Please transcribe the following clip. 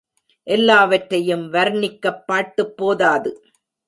எல்லாவற்றையும் வர்ணிக்கப் பாட்டுப் போதாது.